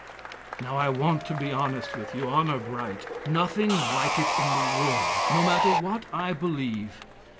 Now I want to be honest with you. Honor bright! Nothing like it in the world! No matter what I believe.